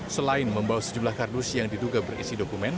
selain membawa sejumlah kardus yang diduga berisi dokumen